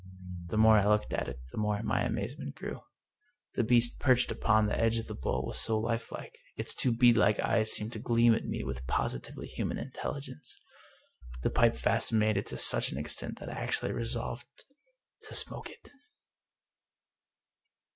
The more I looked at it, the more my amazement grew. The beast perched upon the edge of the bowl was so lifelike. Its two bead like eyes seemed to gleam at me with posi tively human intelligence. The pipe fascinated me to such an extent that I actually resolved to — smoke it!